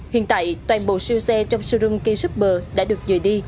hiện tại toàn bộ siêu xe trong showroom k super đã được dựa đi